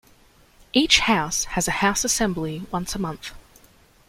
Each house has a house assembly once a month.